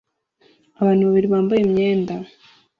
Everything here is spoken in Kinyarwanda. Abantu babiri bambaye imyenda